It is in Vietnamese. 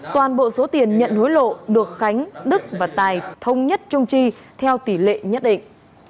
toàn bộ số tiền nhận hối lộ được khánh đức và tài thông nhất trung trì theo tỷ lệ nhất định